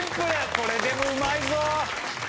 これでもうまいぞ！